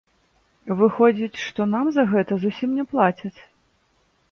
Выходзіць, што нам за гэта зусім не плацяць.